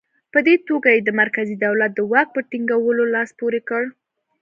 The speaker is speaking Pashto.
په دې توګه یې د مرکزي دولت د واک په ټینګولو لاس پورې کړ.